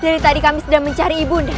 dari tadi kami sedang mencari ibu